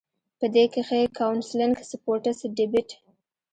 پۀ دې کښې کاونسلنګ ، سپورټس ، ډيبېټ ،